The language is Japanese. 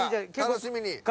楽しみに。